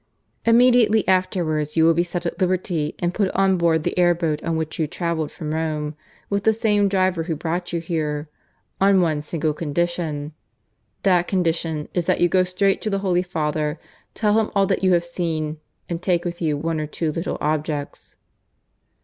"Immediately afterwards you will be set at liberty, and put on board the air boat on which you travelled from Rome, with the same driver who brought you here, on one single condition. That condition is that you go straight to the Holy Father, tell him all that you have seen, and take with you one or two little objects."